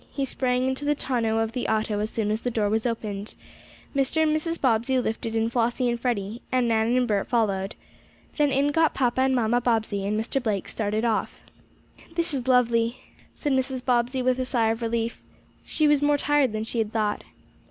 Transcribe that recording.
He sprang into the tonneau of the auto as soon as the door was opened. Mr. and Mrs. Bobbsey lifted in Flossie and Freddie, and Nan and Bert followed. Then in got Papa and Mamma Bobbsey and Mr. Blake started off. "This is lovely," said Mrs. Bobbsey with a sigh of relief. She was more tired than she had thought.